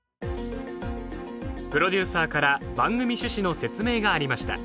プロデューサーから番組趣旨の説明がありました